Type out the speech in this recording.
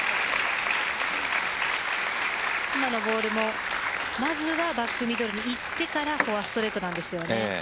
今のボールもまずはバックミドルにいってからフォアストレートなんです。